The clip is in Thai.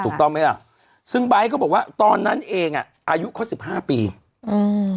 ถูกต้องไหมล่ะซึ่งไบท์เขาบอกว่าตอนนั้นเองอ่ะอายุเขาสิบห้าปีอืม